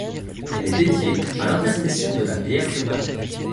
Elle est dédiée à l'Intercession de la Vierge Marie.